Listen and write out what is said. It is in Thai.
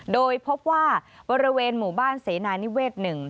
โดยพบว่าบริเวณหมู่บ้านเสนานิเวศ๑